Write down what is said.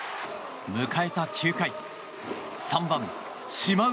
迎えた９回３番、島内。